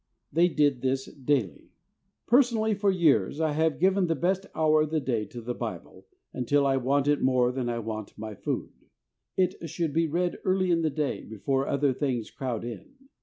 They did this daily. Personally, for years I have given the best hour of the day to the Bible, until I want it more than I want my food. It should be read early in the day, before other things crowd in.